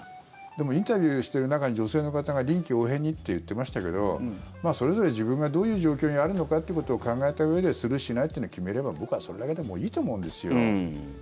でもインタビューしてる中に女性の方が臨機応変にって言ってましたけどそれぞれ自分がどういう状況にあるのかということを考えたうえでする、しないというのを決めれば僕はそれだけでもういいと思うんですよ。